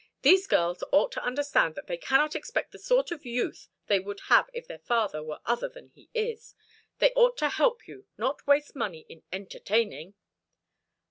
"These girls ought to understand that they cannot expect the sort of youth they would have if their father were other than he is. They ought to help you; not waste money in entertaining."